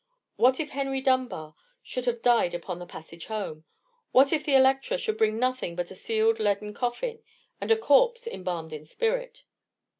What if Henry Dunbar should have died upon the passage home? What if the Electra should bring nothing but a sealed leaden coffin, and a corpse embalmed in spirit?